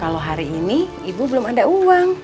kalau hari ini ibu belum ada uang